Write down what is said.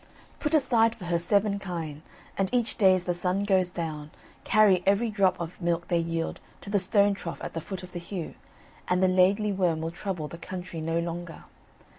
Put aside for her seven kine, and each day as the sun goes down, carry every drop of milk they yield to the stone trough at the foot of the Heugh, and the Laidly Worm will trouble the country no longer.